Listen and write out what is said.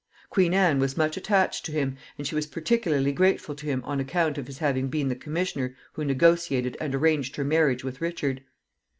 Queen Anne was much attached to him, and she was particularly grateful to him on account of his having been the commissioner who negotiated and arranged her marriage with Richard.